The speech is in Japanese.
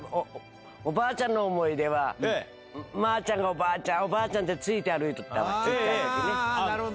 おばあちゃんの思い出は、まーちゃんがおばあちゃん、おばあちゃんって、ついて歩いとったわ、なるほど、なるほど。